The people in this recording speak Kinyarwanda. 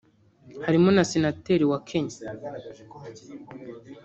harimo na Senateri wa Kenya